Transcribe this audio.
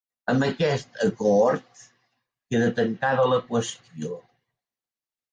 Amb aquest acord queda tancada la qüestió.